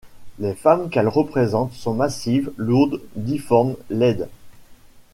Les femmes qu'elle représente sont massives, lourdes, difformes, laides.